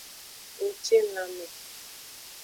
Ngcilanme.